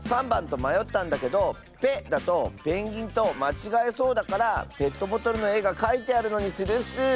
３ばんとまよったんだけど「ペ」だとペンギンとまちがえそうだからペットボトルのえがかいてあるのにするッス！